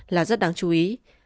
là rất đáng chú ý